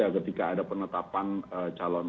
ketika ada penetapan calon